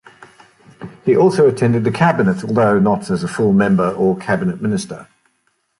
He also attended the Cabinet, although not as a full member or Cabinet Minister.